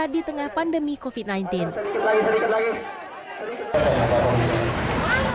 pemkot makassar berencana meninjau dan menguji langsung kelayakan usaha padiwisata